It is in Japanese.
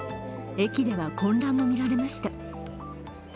駅では混乱も見られました。